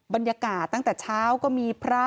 บรรยากาศตั้งแต่เช้าก็มีพระ